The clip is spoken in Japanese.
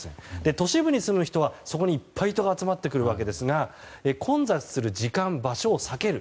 都市部に住む人は、そこにいっぱい人が集まってくるわけですが混雑する時間、場所を避ける。